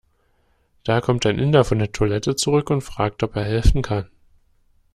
Da kommt ein Inder von der Toilette zurück und fragt, ob er helfen kann.